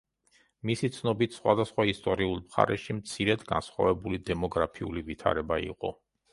მისი ცნობით სხვადასხვა ისტორიულ მხარეში მცირედ განსხვავებული დემოგრაფიული ვითარება იყო.